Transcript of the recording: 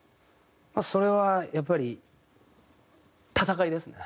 それはやっぱり戦いですね。